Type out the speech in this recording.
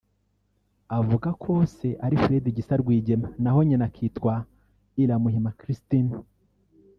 Avuga ko Se ari Fred Gisa Rwigema naho nyina akitwa Iramuhima Christine